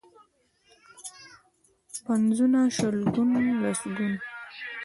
پنځونه، شلګون ، لسګون.